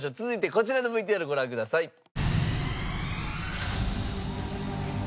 続いてこちらのＶＴＲご覧ください。